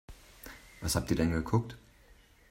Was habt ihr denn geguckt?